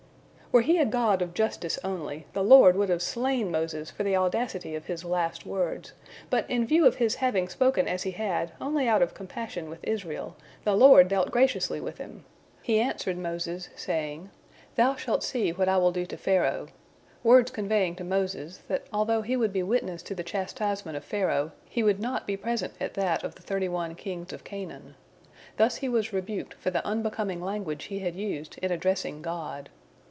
Were He a God of justice only, the Lord would have slain Moses for the audacity of his last words, but in view of his having spoken as he had only out of compassion with Israel, the Lord dealt graciously with him. He answered Moses, saying, "Thou shalt see what I will do to Pharaoh," words conveying to Moses, that although he would be witness to the chastisement of Pharaoh, he would not be present at that of the thirty one kings of Canaan. Thus he was rebuked for the unbecoming language he had used in addressing God.